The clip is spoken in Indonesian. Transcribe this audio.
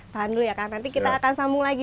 tahan dulu ya kan nanti kita akan sambung lagi